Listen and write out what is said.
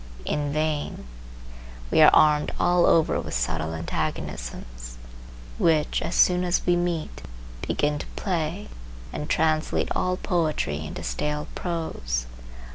In vain. We are armed all over with subtle antagonisms, which, as soon as we meet, begin to play, and translate all poetry into stale prose.